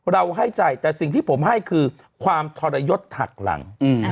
ให้ใจแต่สิ่งที่ผมให้คือความทรยศหักหลัง